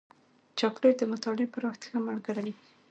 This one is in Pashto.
چاکلېټ د مطالعې پر وخت ښه ملګری وي.